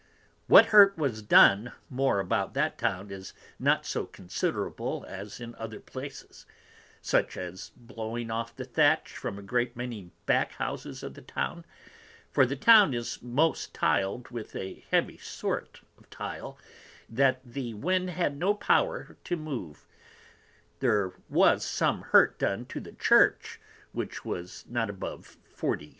What hurt was done more about that Town is not so considerable as in other Places; Such as blowing off the Thatch from a great many back Houses of the Town; for the Town is most tiled with a sort of heavy Tile, that the Wind had no power to move; there was some hurt done to the Church, which was not above 40_s.